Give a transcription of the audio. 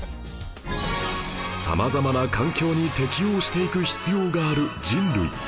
様々な環境に適応していく必要がある人類